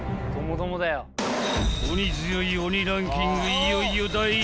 ［いよいよ第１位は］